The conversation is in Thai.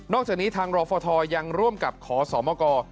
จากนี้ทางรฟทยังร่วมกับขอสมก